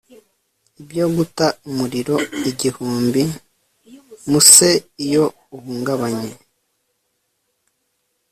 ibyo guta umuriro igihumbi, muse, iyo uhungabanye